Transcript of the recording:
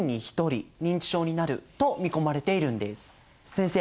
先生